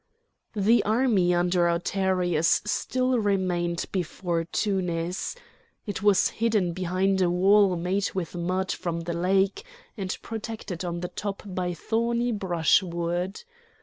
The army under Autaritus still remained before Tunis. It was hidden behind a wall made with mud from the lake, and protected on the top by thorny brushwood.